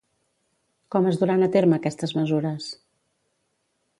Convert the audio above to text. Com es duran a terme aquestes mesures?